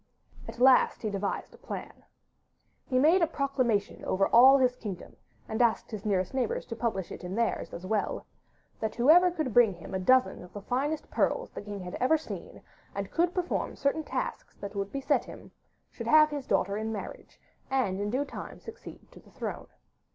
At last he devised a plan. He made a proclamation over all his kingdom (and asked his nearest neighbours to publish it in theirs as well) that whoever could bring him a dozen of the finest pearls the king had ever seen, and could perform certain tasks that would be set him, should have his daughter in marriage and in due time succeed to the throne.